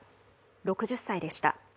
６０歳でした。